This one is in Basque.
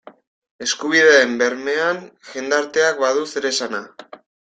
Eskubideen bermean jendarteak badu zeresana.